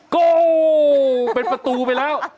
ก็เป็นประตูไปแล้ว